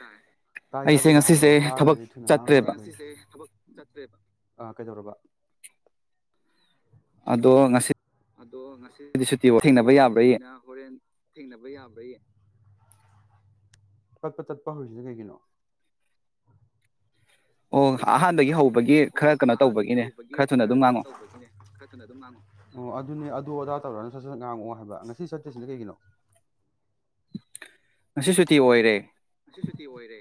ꯇꯥꯏ ꯇꯥꯏ ꯇꯥꯗꯦꯗ ꯍꯥꯏꯔꯛꯑꯣ ꯇꯥꯗꯔꯗꯤ ꯊꯨꯅ ꯉꯥꯡ ꯑꯩꯁꯦ ꯉꯁꯤꯁꯦ ꯊꯕꯛ ꯆꯠꯇ꯭ꯔꯦꯕ꯫ ꯑ ꯀꯩꯗꯧꯔꯕ ꯑꯗꯣ ꯉꯁꯤ ꯑꯗꯣ ꯉꯁꯤꯗꯤ ꯁꯨꯇꯤ ꯑꯣꯏꯔꯕꯅꯤꯅ ꯍꯣꯔꯦꯟ ꯊꯦꯡꯅꯕ ꯌꯥꯕ꯭ꯔ ꯌꯦꯡ ꯄꯠ ꯄꯠ ꯇꯠꯄ ꯍꯧꯔꯤꯁꯤꯅ ꯀꯩꯒꯤꯅꯣ ꯑꯣ ꯑꯍꯥꯟꯕꯒꯤ ꯍꯧꯕꯒꯤ ꯈꯔ ꯀꯩꯅꯣ ꯇꯧꯕꯒꯤꯅꯦ ꯈꯔ ꯀꯟꯅ ꯑꯗꯨꯝ ꯉꯥꯡꯉꯣ ꯑꯣ ꯑꯗꯨꯅꯦ ꯑꯗꯨ ꯑꯗꯥ ꯇꯧꯔꯛꯑꯅꯨ ꯁꯠ ꯁꯠ ꯉꯥꯡꯉꯛꯑꯣ ꯍꯥꯏꯕ ꯉꯁꯤ ꯆꯠꯇ꯭ꯔꯁꯤꯅ ꯀꯩꯒꯤꯅꯣ ꯉꯁꯤ ꯁꯨꯇꯤ ꯑꯣꯏꯔꯦ ꯉꯁꯤ ꯁꯨꯇꯤ ꯑꯣꯏꯔꯦ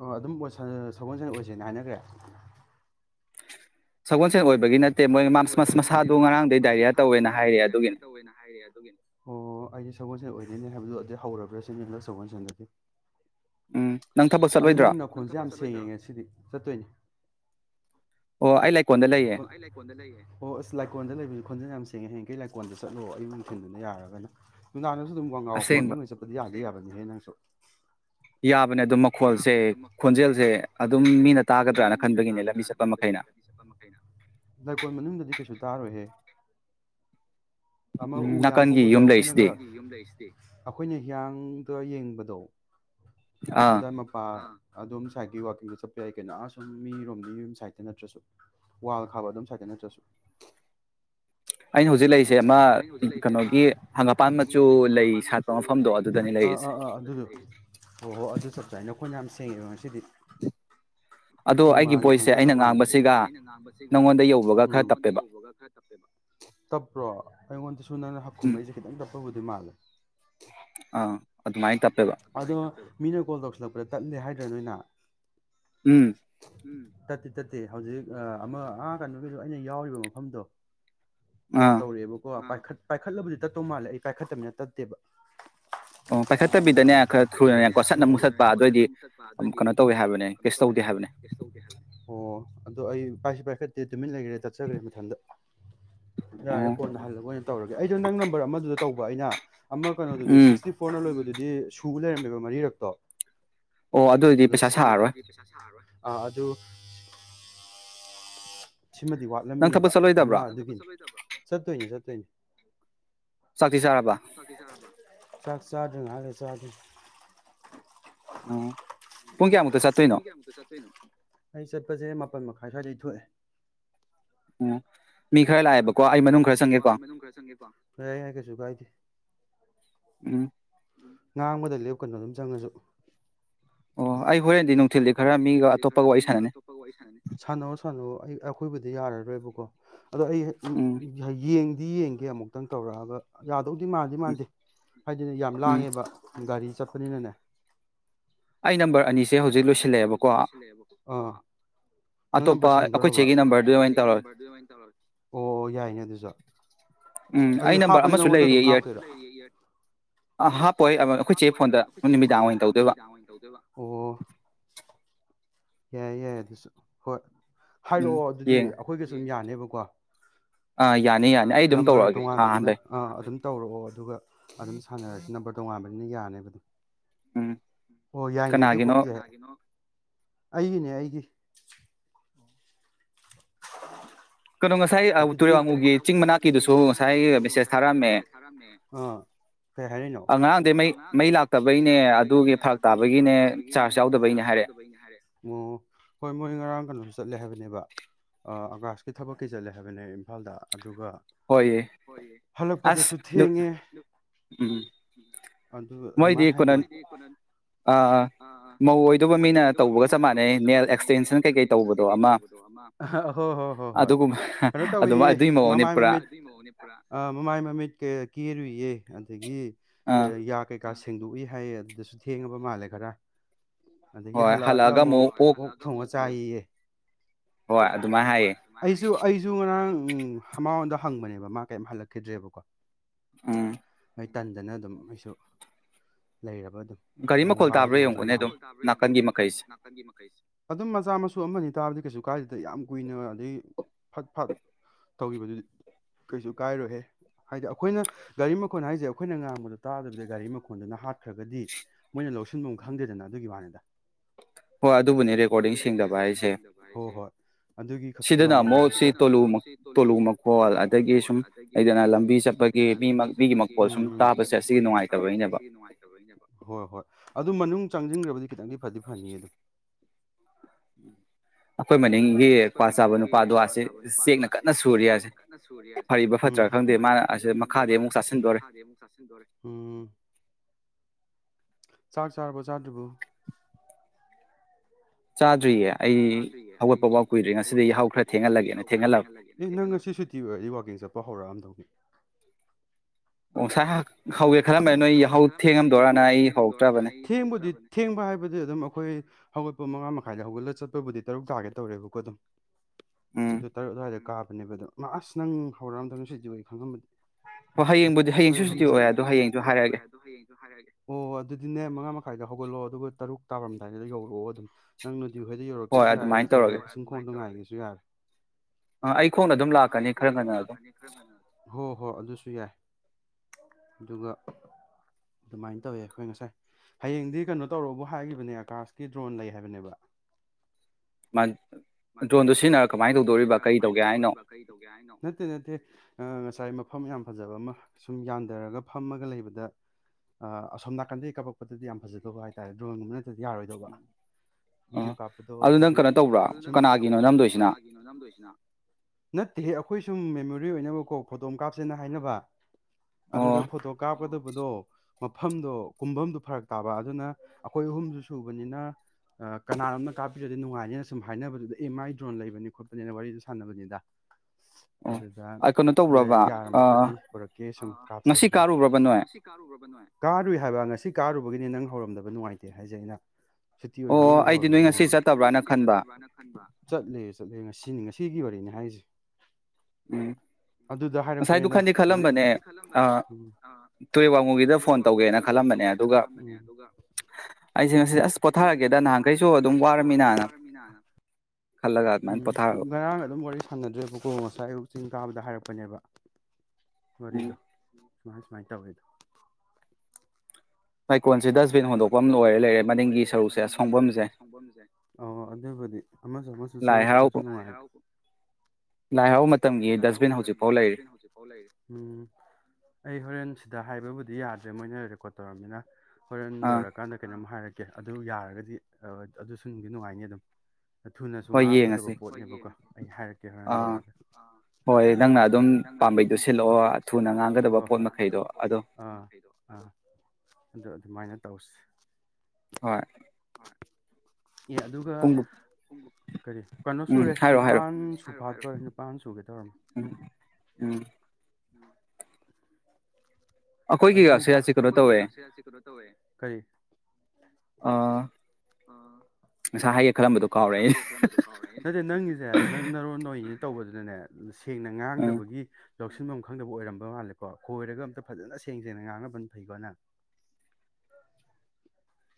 ꯑꯣ ꯑꯗꯨꯝ [unintelligible] ꯁꯒꯣꯜꯁꯦꯟ ꯑꯣꯏꯁꯦꯅ ꯍꯥꯏꯅꯒ꯭ꯔꯦ [unintelligible] ꯁꯒꯣꯜꯁꯦ ꯑꯣꯏꯕꯒꯤ ꯅꯠꯇꯦ ꯃꯣꯏ [unintelligible] ꯃꯁꯥꯗꯣ ꯉꯔꯥꯡꯗꯩ ꯗꯥꯏꯔꯤꯌꯥ ꯇꯧꯋꯦꯅ ꯍꯥꯏꯔꯦ ꯑꯗꯨꯒꯤꯅꯤ ꯑꯣ ꯑꯩꯗꯤ ꯁꯒꯣꯟꯁꯦꯟ ꯑꯣꯏ ꯅꯦ ꯍꯥꯏꯕꯗꯨ ꯑꯗꯩ ꯍꯧꯔꯕ꯭ꯔꯥ ꯁꯤꯅꯤ ꯍꯟꯗꯛ ꯁꯒꯣꯟꯁꯦꯟꯗꯩꯩ ꯑꯗꯨ ꯅꯪ ꯅꯈꯣꯟꯁꯦ ꯌꯥꯝ ꯁꯦꯡꯉꯦ ꯉꯁꯤꯗꯤ ꯆꯠꯇꯣꯏꯅꯤ [unintelligible] ꯑꯣ ꯑꯩ ꯂꯩꯥꯏꯀꯣꯜꯗ ꯂꯩꯌꯦ ꯑꯣ ꯑꯁ ꯂꯥꯏꯀꯣꯜꯗ ꯂꯩꯕ ꯈꯣꯟꯖꯦꯜ ꯌꯥꯝ ꯁꯦꯡ ꯍꯌꯦꯡꯗꯩꯩ ꯂꯥꯏꯀꯣꯜꯗ ꯆꯠꯂꯣ ꯑꯌꯨꯛ ꯅꯨꯡꯊꯤꯟꯗꯨꯅ ꯌꯥꯔꯒꯅ ꯅꯨꯡꯗꯥꯡ ꯋꯥꯀꯤꯡ ꯑꯣꯏꯅ ꯆꯠꯄꯗꯤ ꯌꯥꯗꯤ ꯌꯥꯕꯅꯤ [unintelligible] [unintelligible] ꯌꯥꯕꯅꯦ ꯑꯗꯨꯝ ꯃꯈꯣꯜꯁꯦ ꯈꯣꯟꯖꯦꯜꯁꯦ ꯑꯗꯨꯝ ꯃꯤꯅ ꯇꯥꯒꯗ꯭ꯔꯅ ꯈꯟꯕꯒꯤꯅꯦ ꯂꯝꯕꯤ ꯆꯠꯄ ꯃꯈꯩꯅ ꯂꯥꯏꯀꯣꯟ ꯃꯅꯨꯡꯗꯗꯤ ꯀꯩꯁꯨ ꯇꯥꯔꯣꯏꯍꯦ ꯑꯃ ꯎ ꯌꯥꯝ ꯍꯧꯕꯗꯣ ꯑꯈꯣꯏꯅꯒ ꯌꯨꯝ ꯂꯩꯔꯤꯁꯤꯗꯤ ꯑꯈꯣꯏꯅ ꯍꯤꯌꯥꯡ ꯌꯦꯡꯕꯗꯣ ꯑꯗꯨꯋꯥꯏ ꯃꯄꯥ ꯑꯗꯨꯝ ꯁꯥꯏꯠꯀꯤ ꯋꯥꯛꯀꯤꯡꯗꯣ ꯆꯠꯄ ꯌꯥꯏ ꯀꯩꯅꯣ ꯑꯁꯣꯝ ꯃꯤꯔꯣꯝ ꯃꯤ ꯌꯨꯝ ꯁꯥꯏꯠꯇ ꯅꯠꯇ꯭ꯔꯁꯨ ꯋꯥꯜ ꯈꯥꯕ ꯑꯗꯣꯝ ꯁꯥꯏꯗꯠꯇ ꯅꯠꯇ꯭ꯔꯁꯨ ꯑꯩꯅ ꯍꯨꯖꯤꯛ ꯂꯩꯔꯤꯁꯦ ꯑꯃ ꯀꯩꯅꯣꯒꯤ ꯍꯪꯒꯥꯄꯥꯟ ꯃꯆꯨ ꯂꯩ ꯍꯣꯏ ꯍꯣꯏ ꯑꯗꯨ ꯆꯞ ꯌꯥꯝ ꯁꯦꯡꯉꯦꯕ ꯉꯁꯤꯗꯤ ꯁꯨꯔꯃꯥꯒꯤ ꯈꫭꯟꯖꯦꯜꯒ ꯃꯥꯟꯕ ꯑꯩꯒꯤ ꯚꫭꯏꯁꯦ ꯑꯩꯅ ꯉꯥꯡꯕꯁꯤꯒ ꯅꯉꫭꯟꯗ ꯌꯧꯕꯗ ꯈꫪ ꯇꯞꯄꯦ ꯇꯞꯄꯔꫭ ꯑꯩꯉꫭꯟꯗꯁꯨ ꯅꯪꯅ ꯈꯨꯝꯃꯛꯏꯁꯦ ꯈꯤꯇꯪ ꯇꯞ ꯄꯕꯨꯗꯤ ꯃꯥꯟꯂꯦ ꯑꯥ ꯑꯗꯨꯃꯥꯏꯅ ꯇꯞꯄꯦꯕ ꯃꯤꯅ ꯀꯣꯜ ꯇꯧꯁꯤꯜꯂꯛꯄꯗ ꯇꯠꯂꯦ ꯍꯥꯏꯗ꯭ꯔꯥ ꯅꯣꯏꯅ ꯎꯝ ꯎꯝ ꯇꯠꯇꯤ ꯇꯠꯇꯦ ꯍꯧꯖꯤꯛ ꯑꯃ ꯑ ꯀꯩꯅꯣꯒꯤꯗꯣ ꯑꯩꯅ ꯌꯥꯎꯔꯤꯕ ꯃꯐꯝꯗꯣ ꯀꯣꯜ ꯇꯧꯔꯤꯌꯦꯕꯥꯀꯣ [unintelligible] ꯈꯠ ꯄꯥꯏꯈꯠꯂꯕꯨꯗꯤ ꯇꯠꯇꯧ ꯃꯥꯜꯂꯦ ꯑꯩ ꯄꯥꯏꯈꯠꯇꯃꯤꯅ ꯇꯠꯇꯦꯕ ꯑꯣ ꯄꯥꯏꯈꯠꯇꯕꯤꯗꯅꯦ ꯈꯔ ꯊꯨꯅꯅꯦꯀꯣ ꯁꯠꯅ ꯃꯨꯠꯊꯠꯄ ꯑꯗꯨꯑꯣꯏꯗꯤ ꯀꯩꯅꯣ ꯇꯧꯋꯦ ꯍꯥꯏꯕꯅꯦ ꯀꯦꯁꯨ ꯇꯧꯗꯦ ꯍꯥꯏꯕꯅꯦ ꯑꯣ ꯑꯗꯨꯗꯣ ꯑꯩ ꯄꯥꯏꯁꯤ ꯄꯥꯏꯈꯠꯇꯦ ꯇꯨꯃꯤꯠ ꯂꯩꯈ꯭ꯔꯦ ꯇꯠꯆꯈ꯭ꯔꯦ ꯃꯊꯟꯗ ꯌꯥꯔꯦ ꯀꯣꯟꯅ ꯍꯜꯂꯒ ꯑꯣꯏꯅ ꯇꯧꯔꯒꯦ ꯑꯩꯗꯣ ꯅꯪ ꯅꯝꯕꯔ ꯑꯃꯗꯨꯗ ꯇꯧꯕ ꯑꯩꯅ ꯑꯃ ꯀꯩꯅꯣꯗꯨꯗꯤ ꯁꯤꯛꯁꯇꯤ ꯐꯣꯔ ꯅ ꯂꯣꯏꯕꯗꯤ ꯑꯗꯨꯗꯤ ꯁꯨꯕ ꯂꯩꯔꯝꯃꯦꯕ ꯃꯔꯤꯔꯛꯇꯣ ꯑꯣ ꯑꯗꯨꯏꯗꯤ ꯄꯩꯁꯥ ꯁꯥꯔꯔꯣꯏ ꯑꯗꯨ [inaudible] ꯁꯤꯃꯗꯤ ꯋꯥꯠꯂꯝꯃꯤꯑꯕ ꯑꯃ ꯑꯗꯨꯒꯤꯅꯤ ꯆꯠꯇꯤ ꯆꯠꯂꯣꯏꯗ꯭ꯔꯥꯕꯣ ꯆꯠꯇꯣꯏꯅꯦ ꯆꯠ [unintelligible] ꯆꯥꯛꯇꯤ ꯆꯥꯔꯕ ꯆꯥꯛ ꯆꯥ ꯉꯥꯏꯍꯥꯛ ꯂꯩꯔꯒ ꯆꯥꯗꯣꯏꯅꯦ [inaudible] ꯄꯨꯡ ꯀꯌꯥꯃꯨꯛꯇ ꯆꯠꯇꯣꯏꯅꯣ ꯑꯩ ꯆꯠꯄꯖꯦ ꯃꯥꯄꯟ ꯃꯈꯥꯏ [unintelligible] ꯊꯣꯛꯑꯦ ꯎꯝ ꯃꯤ ꯈꯔ ꯂꯥꯛꯑꯦꯕꯀꯣ ꯑꯩ ꯃꯅꯨꯡ ꯈꯔ ꯆꯪꯒꯦꯀꯣ ꯌꯥꯢ ꯌꯥꯏ ꯀꯩꯁꯨ ꯀꯥꯏꯗꯦ ꯉꯥꯡꯕꯗ ꯂꯦꯞꯀꯅꯨ ꯑꯗꯨꯝ ꯆꯪꯉꯁꯨ ꯑꯣ ꯑꯣ ꯑꯩ ꯍꯣꯔꯦꯟꯗꯤ ꯅꯨꯡꯊꯤꯜꯗꯤ ꯈꯔ ꯃꯤꯒ ꯑꯇꯣꯞꯄꯒ ꯋꯥꯔꯤ ꯁꯥꯟꯅꯅꯤ ꯁꯥꯟꯅꯧꯑꯣ ꯁꯥꯟꯅꯧꯑꯣ ꯑꯩ ꯑꯩꯈꯣꯏꯕꯨꯗꯤ ꯑꯗꯨ ꯌꯥꯔꯔꯣꯏꯕꯀꯣ ꯑꯗꯣ ꯑꯩ ꯌꯦꯡ ꯗꯤ ꯌꯦꯡꯒꯦ ꯑꯃꯨꯛꯇꯪ ꯇꯧꯔꯛꯑꯒ ꯌꯥ ꯇꯧꯗꯤ ꯃꯥꯟꯗꯗꯤ ꯃꯥꯟꯗꯦ ꯍꯥꯏꯗꯤꯗꯤ ꯌꯥꯝ ꯂꯥꯡꯉꯦꯕ ꯒꯥꯔꯤ ꯆꯠꯄꯅꯤꯅꯅꯦ ꯑꯩ ꯅꯝꯕꯔ ꯑꯩ ꯅꯝꯕꯔ ꯑꯅꯤꯁꯦ ꯍꯧꯖꯤꯛ ꯂꯣꯏꯁꯤꯜꯂꯛꯑꯦꯕꯀꯣ ꯑ ꯅꯪ ꯅꯝꯕꯔ ꯁꯤꯟꯗꯧꯔꯕꯣ ꯑꯇꯣꯞꯄ ꯑꯈꯣꯏ ꯆꯦ ꯅꯝꯕꯔꯗꯨꯗ ꯑꯣꯏꯅ ꯇꯧꯔꯛꯑꯒꯦ ꯑꯣ ꯌꯥꯏꯅꯦ ꯑꯗꯨꯖꯨ ꯎꯝ ꯑꯩ ꯅꯝꯕꯔ ꯑꯃꯁꯨ ꯂꯩꯔꯤꯌꯦ ꯏꯌꯥꯔ ꯑ ꯍꯥꯞꯄꯣꯏ ꯑꯩꯈꯣꯏ ꯆꯦ ꯐꯣꯟꯗ ꯅꯨꯃꯤꯗꯥꯡ ꯑꯣꯏꯅ ꯇꯧꯗꯣꯏꯕ ꯌꯥꯏ ꯌꯥꯏ ꯑꯗꯨꯁꯨ ꯍꯣꯏ ꯍꯥꯏꯔꯛꯑꯣ ꯑꯗꯨꯗꯤ ꯑꯩꯈꯣꯏꯒ ꯁꯨ ꯌꯥꯅꯦꯕ ꯀꯣꯀꯣ [unintelligible] ꯅꯝꯕꯔ ꯇꯣꯉꯥꯟꯕꯅꯤꯅ ꯑꯥ ꯑꯗꯨꯝ ꯇꯧꯔꯛꯑꯣ ꯑꯗꯨꯒ ꯑꯗꯨꯝ ꯁꯥꯟꯅꯔꯁꯤ ꯅꯝꯕꯔ ꯇꯣꯉꯥꯟꯕꯅꯤꯅ ꯌꯥꯅꯦꯕ ꯗꯨꯝ ꯑꯣ ꯌꯥꯏꯅꯦ [unintelligible] ꯑꯩꯒꯤꯅꯦ ꯑꯩꯒꯤ ꯑꯗꯨꯗꯤ [unintelligible] ꯇꯨꯔꯦꯟ ꯋꯥꯡꯃꯒꯤ ꯆꯤꯡ ꯃꯅꯥꯛꯀꯤꯗꯨꯀꯨ ꯉꯁꯥꯏ ꯃꯦꯁꯦꯁ ꯊꯔꯝꯃꯦ ꯍꯥ ꯀꯩ ꯍꯥꯏꯔꯛꯏꯅꯣ ꯑ ꯉꯔꯥꯡꯗꯩ ꯃꯩ ꯃꯩ ꯂꯥꯛꯇꯕꯩꯅꯦ ꯑꯗꯨꯒꯤ ꯐꯔꯥꯛ ꯇꯥꯕꯒꯤꯅꯦ ꯆꯥꯔꯁ ꯌꯥꯗꯕꯩꯅꯦ ꯍꯥꯏꯔꯦ ꯍꯣꯏ ꯃꯣꯏ ꯉꯔꯥꯡ ꯀꯩꯅꯣ ꯆꯂꯦ ꯍꯥꯏ [unintelligible] ꯑꯀꯥꯁꯀꯤ ꯊꯕꯛꯀꯤ ꯆꯠꯂꯦ ꯍꯥꯏꯕꯅꯦ ꯏꯝꯐꯥꯜꯗ ꯑꯗꯨꯒ [unintelligible] ꯍꯜꯂꯛꯄꯗꯁꯨ ꯊꯦꯡꯉꯦ ꯑꯗꯨ ꯑꯗꯨꯃꯥꯏ ꯍꯥꯏꯒꯤꯕ [unintelligible] ꯑꯑꯥ ꯃꯧ ꯑꯣꯏꯗꯧꯕ ꯃꯤꯅ ꯇꯧꯕꯒ ꯆꯞ ꯃꯥꯟꯅꯩ ꯅꯦꯜ ꯑꯦꯛꯁꯇꯦꯟꯁꯩ ꯀꯩꯀꯩ ꯇꯧꯕꯗꯣ ꯑꯃ ꯑꯍꯥ ꯍꯣꯏ ꯍꯣꯏ ꯍꯣꯏ ꯀꯩꯅꯣ ꯇꯧꯏꯌꯦ ꯃꯃꯥꯏ ꯃꯃꯤꯠ ꯃꯃꯥꯏ ꯃꯃꯤꯠ ꯀ ꯀꯦꯔꯨꯏ ꯑꯦ ꯑꯗꯒꯤ ꯌꯥ ꯀꯩꯀꯥꯁ ꯁꯦꯡꯗꯣꯛꯏ ꯍꯥꯏꯌꯦ ꯑꯗꯨꯗꯁꯨ ꯊꯦꯡꯉꯕ ꯃꯥꯜꯂꯦ ꯈꯔ ꯍꯣꯏ ꯍꯜꯂꯛꯑꯒ ꯑꯃꯨꯛ ꯑꯣꯛ ꯎ ꯍꯣꯏ ꯑꯗꯨꯃꯥꯏꯅ ꯍꯥꯏꯌꯦ ꯑꯩꯁꯨ ꯑꯩꯁꯨ ꯉꯔꯥꯡ ꯍꯃꯥꯥꯎꯣꯟꯗ ꯍꯪꯕꯅꯦꯕ ꯃꯥ ꯀꯩꯝ ꯍꯜꯂꯛꯈꯤꯗ꯭ꯔꯦꯕꯀꯣ ꯎꯝ ꯃꯣꯏ ꯇꯟꯗꯅ ꯑꯗꯨꯝ ꯑꯩꯁꯨ ꯂꯩꯔꯕ [unintelligible] ꯑꯗꯨꯝ ꯃꯆꯥ ꯃꯁꯨ ꯑꯃꯅꯤ ꯇꯥꯕꯗꯤ ꯀꯩꯁꯨ ꯀꯥꯏ ꯑ ꯌꯥꯝ ꯀꯨꯏꯅ ꯑꯗꯩ ꯐꯠ ꯐꯠ ꯇꯧꯈꯤꯕꯗꯨ ꯀꯩꯁꯨ ꯀꯥꯏꯔꯣꯏꯍꯦ ꯍꯥꯏꯗꯤ ꯑꯩꯈꯣꯏꯅ ꯒꯥꯔꯤ ꯃꯈꯣꯟ ꯍꯥꯏꯁꯦ ꯑꯩꯈꯣꯏꯅ ꯉꯥꯡꯕꯗ ꯇꯥꯗꯕꯤꯗ ꯒꯥꯔꯤ ꯃꯈꯣꯟꯗꯨꯅ ꯍꯥꯠꯈ꯭ꯔꯒꯗꯤ ꯃꯣꯏꯅ ꯂꯧꯁꯤꯟꯐꯝ ꯈꯪꯗꯦꯗꯅ ꯑꯗꯨꯒꯤ ꯋꯥꯅꯤꯗ ꯍꯣꯏ ꯑꯗꯨꯕꯨꯅꯤ ꯔꯦꯀꯣꯔꯗꯤꯡ ꯁꯦꯡꯗꯕ ꯍꯥꯏꯁꯦ ꯑꯗꯨꯒꯤ ꯅꯦ ꯁꯤꯗꯅ ꯑꯃꯨꯛ ꯁꯤ ꯇꯨ ꯇꯣꯂꯨ ꯃꯈꯣꯜ ꯑꯗꯒꯤ ꯁꯨꯝ ꯂꯩꯗꯅ ꯂꯝꯕꯤ ꯆꯠꯄꯒꯤꯒꯤ ꯃꯈꯣꯜ ꯁꯨꯝ ꯇꯥꯕꯁꯦ ꯑꯁꯤ ꯅꯨꯡꯉꯥꯏꯇꯕꯒꯤꯅꯦꯕ ꯍꯣꯏ ꯍꯣꯏ ꯑꯗꯨ ꯃꯅꯨꯡ ꯆꯪꯁꯤꯟꯈ꯭ꯔꯕꯗꯤ ꯈꯤꯇꯪꯗꯤ ꯐꯗꯤ ꯐꯅꯤ ꯑꯗꯨꯝ ꯑꯩꯈꯣꯏ ꯃꯅꯤ ꯑꯩꯈꯣꯏ ꯃꯅꯤꯡꯒꯤ ꯅꯨꯄꯥ ꯆꯥꯕ ꯅꯨꯄꯥꯗꯣ ꯑꯁꯤ ꯆꯦꯛꯅ ꯀꯟꯅ ꯁꯨꯔꯤ ꯍꯥꯏꯁꯦ ꯐꯔꯤꯕ ꯐꯠꯇ꯭ꯔꯥ ꯈꯪꯗꯦ ꯃꯥꯅ ꯑꯁꯤ ꯃꯈꯥꯗꯤ ꯑꯃꯨꯛ ꯆꯥꯁꯤꯟꯗꯣꯔꯦ ꯆꯥꯛ ꯆꯥꯔꯕꯣ ꯆꯥꯗ꯭ꯔꯤꯕꯣ ꯆꯥꯗ꯭ꯔꯤꯌꯦ ꯆꯥꯗ꯭ꯔꯤꯌꯦ ꯑꯩ ꯑꯋꯥꯠꯄ ꯄꯥꯎ ꯀꯨꯏꯗ꯭ꯔꯦ ꯉꯁꯤꯗꯒꯤ ꯍꯧ ꯈꯔ ꯊꯦꯡꯍꯜꯂꯒꯦ ꯅꯪ ꯉꯁꯤ ꯁꯨꯇꯤ ꯑꯣꯏꯔꯗꯤ ꯋꯥꯛꯀꯤꯡ ꯆꯠꯄ ꯍꯧꯔꯛꯑꯝꯗꯧꯅꯦ [unintelligible] ꯑꯣꯁꯥ ꯁꯥ ꯍꯧꯒꯦ ꯈꯜꯂꯝꯃꯦ ꯅꯣꯏ ꯊꯦꯡꯉꯝꯗꯣꯏꯔꯅ ꯑꯩ ꯊꯦꯡꯕꯨꯗꯤ ꯊꯦꯡꯕ ꯍꯥꯏꯕꯗꯤ ꯑꯗꯨꯝ ꯑꯩꯈꯣꯏ ꯍꯧꯒꯠ ꯄꯨꯡ ꯃꯉꯥ ꯃꯈꯥꯏꯗ ꯍꯧꯒꯠꯂ ꯆꯠꯄꯕꯨꯗꯤ ꯇꯔꯨꯛꯇꯥꯒꯦ ꯇꯧꯔꯦꯕꯀꯣ ꯑꯗꯨꯝ ꯑꯗꯨ ꯇꯔꯨꯛ ꯑꯗꯨꯋꯥꯏꯗ ꯀꯥꯞ ꯐꯅꯦꯕ ꯑꯗꯣ ꯃꯥ ꯑꯁ ꯅꯪ ꯍꯧꯔꯛꯑꯝꯗꯕ ꯁꯤꯗꯤ ꯑꯩ ꯈꯪꯉꯝꯃꯗꯤ ꯑꯣ ꯍꯌꯦꯡꯕꯨꯗꯤ ꯍꯌꯦꯡꯁꯨ ꯁꯨꯇꯤ [unintelligible] ꯍꯌꯦꯡ ꯍꯥꯏꯔꯛꯑꯒꯦ ꯑꯣ ꯑꯗꯨꯗꯤꯅꯦ ꯃꯉꯥ ꯁꯥꯏꯗ ꯍꯧꯒꯠꯑꯣ ꯑꯗꯨꯒ ꯇꯔꯨꯛ ꯇꯥꯔꯝꯗꯥꯏꯗ ꯌꯧꯔꯛꯑꯣ ꯑꯗꯨꯝ ꯅꯪꯅ [unintelligible] ꯍꯣꯏꯗ ꯌꯧꯔꯛꯀꯦꯁꯨ ꯌꯥꯔꯦ ꯅꯠꯇꯒ ꯆꯤꯡꯈꯣꯡꯗ ꯉꯥꯏꯒꯦꯁꯨ [inaudible] ꯑꯩꯈꯣꯡꯅ ꯑꯗꯨꯝ ꯂꯥꯛꯀꯅꯤ ꯈꯔꯉꯥꯟꯅ ꯍꯣ ꯍꯣ ꯑꯗꯨꯁꯨ ꯌꯥꯏ ꯑꯗꯨꯒ ꯑꯗꯨꯃꯥꯏꯅ ꯇꯧꯋꯦ ꯑꯩꯈꯣꯏ ꯉꯁꯥꯏ ꯍꯌꯦꯡꯗꯤ ꯀꯩꯅꯣ ꯇꯧꯔꯕꯨ ꯍꯥꯏꯈꯤꯕꯅꯦ ꯑꯀꯥꯁꯀꯤ ꯗ꯭ꯔꯣꯟ ꯂꯩ ꯍꯥꯏꯕꯅꯦꯕ ꯗꯣꯟꯗꯣ ꯁꯤꯖꯤꯟꯅꯔ ꯀꯃꯥꯏꯅ ꯇꯧꯗꯣꯔꯤꯕ ꯀꯩ ꯇꯧꯒꯦ ꯍꯥꯏꯅꯣ ꯅꯠꯇꯦ ꯅꯠꯇꯦ ꯉꯁꯥꯏ ꯃꯐꯝ ꯌꯥꯝ ꯐꯖꯕ ꯑꯃ ꯁꯨꯝ ꯌꯥꯟꯊꯔꯒ ꯐꯝꯃꯒ ꯂꯩꯕꯗ ꯑꯁꯣꯝ ꯅꯥꯀꯟꯗꯗꯒꯤ ꯀꯥꯞꯄꯛꯄꯗꯗꯤ ꯌꯥꯝ ꯐꯖꯗꯧꯕ ꯍꯥꯏꯇꯥꯔꯦ ꯗꯔꯣꯟꯗꯨꯅ ꯌꯥꯔꯣꯏꯗꯕ ꯕꯤꯗꯤꯌꯣ ꯀꯥꯞꯄꯗꯣ ꯑꯗꯨꯒꯤ ꯑꯗꯣ ꯅꯪ ꯀꯩꯅꯥ ꯇꯧꯕꯔ ꯀꯅꯥꯒꯤꯅꯣ ꯅꯝꯗꯣꯏꯁꯤꯅ ꯅꯠꯇꯦꯍꯦ ꯑꯈꯣꯏ ꯁꯨꯝ ꯃꯦꯃꯣꯔꯤ ꯑꯣꯏꯅꯕꯀꯣ ꯐꯣꯇꯣꯝ ꯀꯥꯞꯁꯦꯅ ꯍꯥꯏꯅꯕ ꯑꯗꯨꯗ ꯐꯣꯇꯣ ꯀꯥꯞꯀꯗꯕꯗꯣ ꯃꯐꯝꯗꯣ ꯀꯨꯝꯐꯝꯗꯣ ꯐꯔꯛ ꯇꯥꯕ ꯑꯗꯨꯅ ꯑꯩꯈꯣꯏ ꯑꯍꯨꯝꯁꯨ ꯁꯨꯕꯅꯤꯅ ꯀꯅꯥꯅꯣꯝꯅ ꯀꯥꯞꯄꯤꯔꯗꯤ ꯅꯨꯡꯉꯥꯏꯅꯤꯅ ꯁꯨꯝ ꯍꯥꯏꯅꯕꯗꯨꯗ ꯑꯦ ꯃꯥꯏ ꯗ꯭ꯔꯣꯟ ꯂꯩꯕꯅꯤ ꯈꯣꯠꯄꯅꯤꯅ ꯋꯥꯔꯤꯗꯣ ꯁꯨꯝ ꯁꯥꯟꯅꯕꯅꯤꯗ ꯑꯗꯨꯗ ꯌꯥꯔꯝꯃꯒꯗꯤ ꯄꯨꯔꯛ ꯁꯨꯝ ꯀꯞꯁꯦ ꯍꯥꯏꯕꯅꯤ ꯑ ꯉꯁꯤ ꯀꯔꯨꯕ ꯀꯥꯔꯨꯏ ꯍꯥꯏꯕ ꯉꯁꯤ ꯀꯥꯔꯨꯕꯒꯤꯅꯤ ꯅꯪ ꯍꯧꯔꯝꯗꯕ ꯅꯨꯡꯉꯥꯏꯇꯦ ꯍꯥꯏꯖꯦ ꯑꯩꯅ ꯁꯨꯇꯤ ꯑꯣꯏ ꯈꯪꯉꯝ ꯃꯗꯤ ꯍꯧꯔꯝꯗꯧꯅꯤ ꯑꯣ ꯑꯩꯗꯤ ꯅꯣꯏ ꯉꯁꯤ ꯆꯠꯇꯕꯔ ꯈꯟꯕ ꯆꯠꯂꯦ ꯆꯠꯂꯦ ꯉꯁꯤ ꯁꯤꯒꯤ ꯋꯥꯔꯤꯅꯦ ꯍꯥꯏꯁꯦ ꯑꯗꯨꯗ ꯍꯥꯏꯔꯛꯄꯅꯦꯗ ꯈꯗꯤ ꯈꯜꯂꯝꯕꯅꯦ ꯇ ꯋꯥꯕꯨꯡꯒꯤꯗ ꯐꯣꯟ ꯇꯧꯒꯦꯅ ꯈꯜꯂꯝꯕꯅꯦ ꯑꯗꯨꯒ ꯑꯩꯁꯦ ꯉꯁꯤ ꯑꯁ ꯄꯣꯊꯥꯔꯒꯦꯗ ꯅꯍꯥꯟꯈꯩꯁꯨ ꯑꯗꯨꯝ ꯋꯥꯔꯝꯃꯤꯅꯅ ꯎꯝ ꯉꯔꯥꯡꯒ ꯑꯗꯨꯝ ꯋꯥꯔꯤ ꯁꯥꯟꯅꯗ꯭ꯔꯦꯀ ꯉꯁꯥꯏ ꯆꯤꯡ ꯀꯥꯕꯗ ꯍꯥꯏꯔꯛꯄꯅꯦꯕ ꯋꯥꯔꯤꯗꯣ ꯁꯤꯃꯥꯏ ꯁꯤꯃꯥꯏ ꯇꯧꯏ ꯂꯥꯏꯀꯣꯟꯁꯦ ꯗꯁꯕꯤꯟ ꯍꯨꯟꯗꯣꯛ ꯐꯝ ꯑꯣꯏꯔꯒ ꯂꯩꯔꯦ ꯃꯅꯤꯡꯒꯤ ꯁꯔꯨꯛꯁꯦ ꯁꯪꯐꯝꯝꯁꯦ ꯑ ꯑꯗꯨꯕꯨꯗꯤ ꯑꯃꯁꯨ ꯑꯃꯁꯨ ꯆꯪꯉꯛꯄꯗꯁꯨ ꯅꯨꯡꯉꯥꯏ ꯍꯔꯥꯎꯕ ꯂꯥꯏꯍꯥꯎꯕ ꯃꯇꯝꯒꯤ ꯗꯁꯕꯤꯟ ꯍꯧꯖꯤꯛ ꯐꯥꯎ ꯂꯩꯔꯤ ꯎꯝ ꯑꯩ ꯍꯣꯔꯦꯟ ꯁꯤꯗ ꯍꯥꯏꯕꯕꯨꯗꯤ ꯌꯥꯗ꯭ꯔꯦ ꯃꯣꯏꯅ ꯔꯦꯀꯣꯔꯠ ꯇꯧꯔꯝꯅꯤꯅ ꯍꯣꯔꯦꯟ ꯂꯣꯏꯔꯑꯀꯥꯟꯗ ꯀꯩꯅꯣꯝ ꯍꯥꯏꯔꯛꯒꯦ ꯑꯣꯀꯦ ꯑꯗꯨ ꯌꯥꯔꯒꯗꯤ ꯇꯧꯔꯁꯦ ꯑꯗꯨ ꯁꯨ ꯅꯨꯡꯗꯤ ꯅꯨꯡꯉꯥꯏꯅꯤ ꯑꯗꯨꯝ ꯊꯨꯅꯁꯨ ꯉꯥꯡꯒꯗꯕ ꯄꯣꯠꯅꯦꯕꯀꯣ ꯑꯩ ꯍꯥꯏꯔꯛꯀꯦ ꯍꯣꯔꯦꯟ ꯂꯣꯏꯔꯒ ꯑꯥ ꯍꯣꯏ ꯅꯪꯅ ꯑꯗꯨꯝ ꯄꯥꯝꯕꯩꯗꯨ ꯁꯤꯜꯂꯛꯑꯣꯒꯗ ꯄꯣ ꯑꯥ ꯑꯩꯗꯣ ꯑꯥ ꯑꯗꯨꯃꯥꯏꯅ ꯇꯧꯁꯤꯦ ꯍꯣꯏ ꯑꯦ ꯑꯗꯨꯒ ꯀꯔꯤ ꯀꯩꯅꯣ ꯁꯨꯔꯦ ꯅꯤꯄꯥꯜ ꯁꯨ ꯐꯥꯠꯇꯧꯔꯦ ꯅꯤꯄꯥꯥꯟ ꯁꯨꯒꯦ ꯇꯧꯔꯝꯃꯣ ꯎꯝ ꯎꯝ ꯑꯗꯨ ꯅꯤꯗꯥ ꯑꯩꯈꯣꯏꯒꯤꯁꯦꯜꯁꯤ ꯀꯩꯅꯣ ꯇꯧꯋꯦ ꯀꯔꯤ ꯑ ꯉꯁꯥꯏ ꯍꯥꯏꯒꯦ ꯈꯜꯂꯝꯕꯗꯣ ꯀꯥꯎꯔꯦ ꯅꯠꯇꯦ ꯅꯪꯒꯤꯁꯦ ꯅꯪ ꯅꯔꯣꯟ ꯅ ꯀꯅ ꯇꯧꯕꯗꯨꯅꯅꯦ [unintelligible] ꯊꯦꯡꯅ ꯉꯥꯡꯗꯕꯒꯤ ꯂꯧꯁꯤꯟꯐꯝ ꯈꯪꯗꯕ ꯑꯣꯏꯔꯝꯕ ꯃꯥꯜꯂꯦꯀꯣ ꯈꯣꯏꯔꯒ ꯑꯝꯇ ꯐꯖꯅ ꯁꯦꯡ ꯁꯦꯡꯅ ꯉꯥꯡꯅꯕꯅ ꯐꯩꯀꯣ ꯅꯪ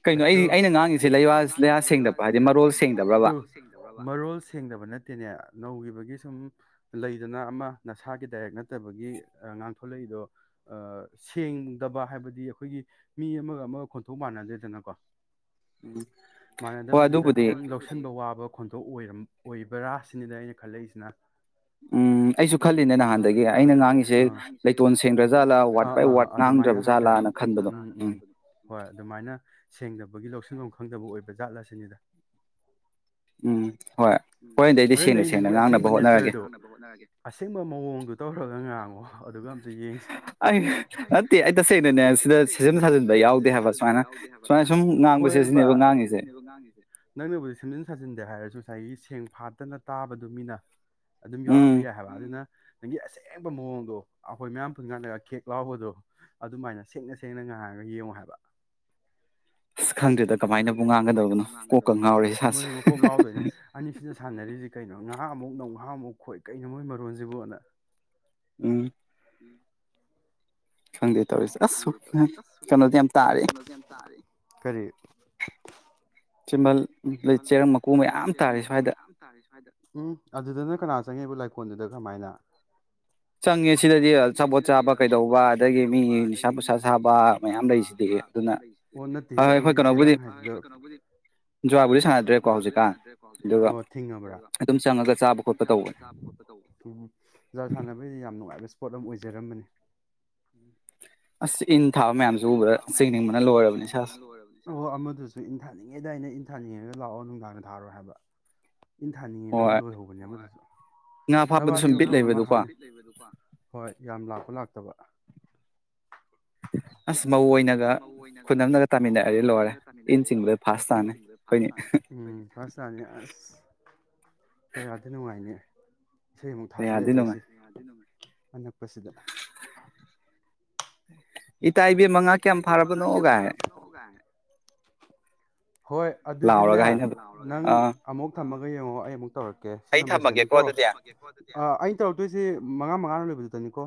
ꯀꯩꯅꯣ ꯑꯩ ꯑꯩꯅ ꯉꯥꯡꯉꯤꯁꯦ ꯂꯩꯌꯥ ꯁꯦꯡꯗꯕ ꯍꯥꯏꯗꯤ ꯃꯔꯣꯜ ꯃꯔꯣꯜ ꯁꯦꯡꯗꯕ ꯅꯠꯇꯦꯅꯦ ꯅꯧꯈꯤꯕꯒꯤ ꯁꯨꯝ ꯂꯩꯗꯅ ꯑꯃ ꯅꯁꯥꯒꯤ ꯗꯥꯏꯔꯦꯛ ꯅꯠꯇꯕꯒꯤ ꯉꯥꯡꯊꯣꯛꯂꯛꯏꯗꯣ ꯁꯦꯡꯗꯕ ꯍꯥꯏꯕꯗꯤ ꯑꯩꯈꯣꯏꯒꯤ ꯃꯤ ꯑꯃꯒ ꯑꯃꯒ ꯈꯣꯟꯊꯣꯛ ꯃꯥꯟꯅꯗꯦꯗꯅꯀꯣ ꯎꯝ ꯍꯣꯏ ꯑꯗꯨꯕꯨꯗꯤ ꯂꯧꯁꯤꯟꯕ ꯋꯥꯕ ꯈꯣꯟꯊꯣꯛꯔ ꯑꯣꯏꯕ꯭ꯔꯥ ꯁꯤꯅꯤꯗ ꯑꯩꯅ ꯈꯜꯂꯛꯏꯁꯤꯅ ꯎꯝ ꯑꯩꯁꯨ ꯈꯜꯂꯤ ꯅꯍꯥꯟꯗꯒꯤ ꯑꯩꯅ ꯉꯥꯡꯒꯤꯁꯦ ꯂꯩꯇꫭꯟ ꯁꯦꯡꯗꯕꯩꯔ ꯑꯗꯨꯃꯥꯏꯅ ꯍꯥꯏꯇꯔꯦ ꯍꯣꯏ ꯑꯗꯨꯃꯥꯏꯅ ꯁꯦꯡꯗꯕꯒꯤ ꯂꯧ ꯁꯨꯡꯐꯝ ꯈꯪꯗꯕ ꯑꯣꯏꯕ ꯖꯥꯠꯂ ꯑꯁꯤꯅꯤꯗ ꯎꯝ ꯍꯣꯔꯦꯟꯗꯩ ꯅꯪꯒꯤ ꯑꯁꯦꯡꯕ ꯅꯦꯆꯔꯗꯨ ꯑꯁꯦꯡꯕ ꯃꯑꯣꯡꯗꯨ ꯇꯧꯔꯒ ꯉꯥꯡꯎ ꯑꯣ ꯑꯗꯨꯒ ꯌꯦꯡꯁꯤ ꯑꯩ ꯅꯠꯇꯦ ꯑꯩ ꯇꯁꯦꯡꯅꯅꯦ ꯁꯤꯗ ꯁꯦꯝꯖꯤꯟ ꯁꯥꯖꯤꯟꯕ ꯌꯥꯎꯗꯦ ꯍꯥꯏꯕ ꯁꯨꯃꯥꯏꯅ ꯍꯣꯏ ꯉꯥꯡ ꯁꯤ ꯁꯤꯅꯦꯕ ꯉꯥꯡꯉꯁꯦ ꯅꯪꯅꯕꯨꯗꯤ ꯁꯦꯝꯖꯤꯟ ꯁꯥꯖꯤꯟꯗꯦ ꯍꯥꯏꯔꯁꯨ ꯉꯁꯥꯏꯒꯤ ꯁꯦꯡ ꯐꯥꯠꯇꯅ ꯇꯥꯕꯗꯨ ꯃꯤꯅ ꯑꯗꯨꯝ ꯌꯥꯎꯔꯝꯕ ꯌꯥꯏ ꯍꯥꯏꯕ ꯑꯗꯨꯅ ꯅꯪꯒꯤ ꯑꯁꯦꯡꯕ ꯃꯑꯣꯡꯗꯣ ꯑꯩꯈꯣꯏ ꯃꯌꯥꯝ ꯄꯨ ꯉꯥꯛꯂꯒ ꯀꯦꯛ ꯂꯥꯎꯕꯗꯣ ꯑꯗꯨꯃꯥꯏꯅ ꯁꯦꯡꯅ ꯁꯦꯡꯅ ꯉꯥꯏꯔꯒ ꯌꯦꯡꯉꯣ ꯍꯥꯏꯕ ꯈꯪꯗꯦꯗꯃꯥꯡꯗꯣ ꯃꯣꯏꯁ ꯃꯀꯣꯛ ꯉꯥꯎꯗꯣꯏꯅꯦ ꯑꯅꯤꯁꯤꯅ ꯁꯥꯟꯅꯔꯤꯁꯤꯦ ꯀꯩꯅꯣ ꯅꯍꯥꯛ ꯑꯃꯨꯛ ꯅꯪ ꯅꯍꯥ ꯑꯃꯨꯛ ꯈꯣꯏ ꯀꯩꯅꯣ ꯃꯣꯏ ꯃꯔꯣꯟꯁꯤꯕꯨꯅ ꯎꯝ ꯈꯪꯗꯦ ꯇꯦ ꯃꯀꯨ ꯃꯌꯥꯝ ꯇꯥꯔꯤꯦ ꯁ꯭ꯋꯥꯏꯗ ꯎꯝ ꯑꯗꯨꯗꯅ ꯀꯅꯥ ꯆꯪꯉꯦꯕꯨ ꯐꯣꯟꯗꯨꯗ ꯀꯃꯥꯏꯅ ꯆꯪꯉꯦ ꯁꯤꯗꯗꯤ ꯆꯄꯣꯠ ꯆꯥꯕ ꯀꯩꯗꯧꯕ ꯑꯗꯒꯤ ꯃꯤ ꯅꯤꯁꯥ ꯄꯨꯁꯥ ꯆꯥꯕ ꯃꯌꯥꯝ ꯂꯩꯔꯤꯁꯦ ꯑꯣ ꯅꯠꯇꯦ ꯑꯩꯗꯤ ꯆꯦꯔꯪ ꯖꯍꯥꯕꯨꯗꯤ ꯁꯥꯟꯅꯗ꯭ꯔꯦꯀꯣ ꯍꯧꯖꯤ ꯑꯣ ꯊꯤꯡꯉꯕ꯭ꯔꯥ ꯑꯗꯨꯝ ꯆꯪꯉꯒ ꯆꯥꯕ ꯈꯣꯠꯄ ꯇꯧꯕ ꯖꯨꯋꯔ ꯁꯥꯟꯅꯕꯒꯤꯗꯤ ꯌꯥꯝ ꯅꯨꯡꯉꯥꯏꯕ ꯄꯣꯠ ꯑꯃ ꯑꯣꯏꯖꯔꯝꯕꯅꯤ ꯑꯁ ꯏꯟꯊꯥꯕ ꯃꯌꯥꯝ ꯎꯕ ꯆꯤꯡꯅꯤꯡꯕꯅ ꯂꯣꯏꯔꯕꯅꯤ ꯑꯣꯍꯣ ꯑꯃꯗꯨꯁꯨ ꯏꯟꯊꯥꯅꯤꯡꯉꯦꯗꯥꯏꯅ ꯏꯟꯊꯥꯅꯤꯡꯉꯦ ꯑꯩꯅ ꯂꯥꯛꯑꯣ ꯅꯨꯡꯗꯥꯡꯗ ꯊꯥꯔꯣꯏ ꯍꯥꯏꯕ ꯏꯟꯊꯥꯅꯤꯡꯉꯦꯅꯕꯨ ꯂꯣꯏꯍꯧꯕꯅꯦ ꯑꯃꯒꯁꯨ ꯅꯕꯥꯅꯤ ꯃꯈꯐꯝ ꯑꯃ ꯍꯥꯏꯅ ꯍꯣꯏ ꯌꯥꯝ ꯂꯥꯛꯄ ꯂꯥꯛꯇꯕ ꯑꯁ ꯑꯣꯏꯅꯒ ꯄꯨꯅꯝꯅꯒ ꯇꯥꯃꯤꯟꯅꯔꯗꯤ ꯂꯣꯏꯔꯦ ꯏꯟꯁꯤꯡ ꯐꯥꯔ ꯎ ꯐꯥꯔ ꯇꯅꯤ ꯑꯁ ꯀꯌꯥꯗꯤ ꯅꯨꯡꯉꯥꯏꯅꯤ ꯏꯁꯩꯃꯨꯛ ꯊꯥꯖꯤꯜꯂꯦꯛꯑ ꯇ꯭ꯧꯔꯤꯁ ꯑꯅꯛꯄꯁꯤꯗ ꯍꯣꯏ ꯑꯗꯨꯗꯤꯅꯦ ꯅꯪ ꯑꯃꯨꯛ ꯊꯝꯃꯒ ꯌꯦꯡꯉꯣ ꯑꯩ ꯃꯨꯛ ꯇꯧꯔꯛꯀꯦ ꯑꯣꯀꯦ ꯁꯤ ꯅꯝꯕꯔꯁꯤꯗꯅꯤꯀꯣ ꯑꯩ ꯊꯝꯃꯒꯦꯀꫭ ꯑꯗꯨꯗꯤ ꯑ ꯑꯩꯅ ꯇꯧꯔꯛꯇꯣꯏꯁꯤ ꯃꯉꯥ ꯃꯉꯥ ꯂꫭꯏꯕ ꯗꯅꯤꯀꯣ